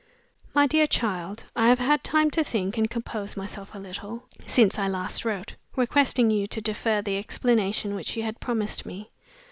"MY DEAR CHILD I have had time to think and compose myself a little, since I last wrote, requesting you to defer the explanation which you had promised me.